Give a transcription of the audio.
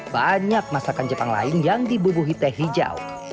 banyak masakan jepang lain yang dibubuhi teh hijau